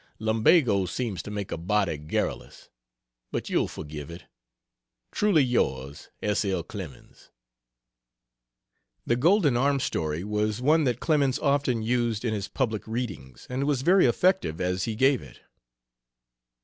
Lumbago seems to make a body garrulous but you'll forgive it. Truly yours S. L. CLEMENS The "Golden Arm" story was one that Clemens often used in his public readings, and was very effective as he gave it.